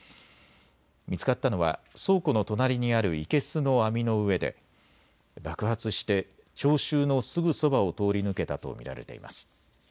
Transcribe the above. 見つかったのは倉庫の隣にある生けすの網のうえで爆発して聴衆のすぐそばを通り抜けたと見られます。